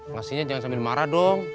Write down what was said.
ngasihnya jangan sambil marah dong